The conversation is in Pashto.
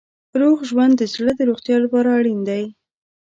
روغ ژوند د زړه د روغتیا لپاره اړین دی.